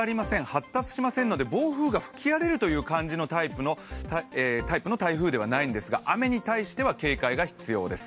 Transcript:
発達しませんので暴風雨が吹き荒れるというような感じのタイプの台風ではないんですが雨に対しては警戒が必要です。